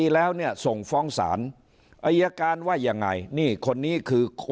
อรรยาการว่ายังไงนี่คนนี้คือ